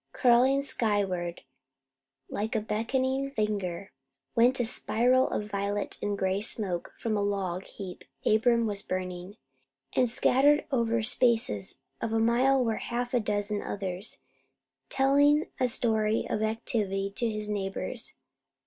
Curling skyward, like a beckoning finger, went a spiral of violet and gray smoke from the log heap Abram was burning; and scattered over spaces of a mile were half a dozen others, telling a story of the activity of his neighbours.